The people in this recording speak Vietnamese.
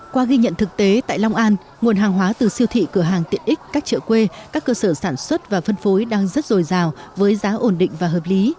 qua ghi nhận thực tế tại long an nguồn hàng hóa từ siêu thị cửa hàng tiện ích các chợ quê các cơ sở sản xuất và phân phối đang rất dồi dào với giá ổn định và hợp lý